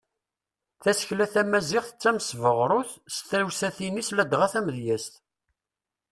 Tasekla tamaziɣt d tamesbeɣrut s tewsatin-is ladɣa tamedyazt.